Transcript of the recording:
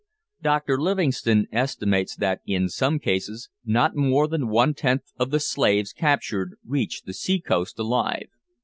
Dr Livingstone estimates that, in some cases, not more than one tenth of the slaves captured reach the sea coast alive.